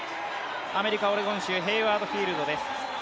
アメリカ・オレゴン州ヘイワード・フィールドです。